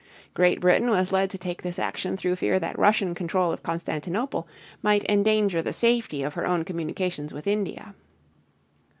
Great Britain was led to take this action through fear that Russian control of Constantinople might endanger the safety of her own communications with India.